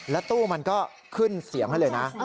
แล้วตู้มันก็ขึ้นเสียงให้เลยนะ